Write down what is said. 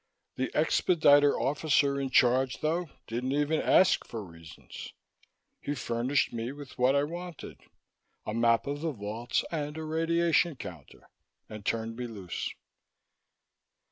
The expediter officer in charge, though, didn't even ask for reasons. He furnished me with what I wanted a map of the vaults and a radiation counter and turned me loose.